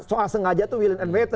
soal sengaja itu will and wait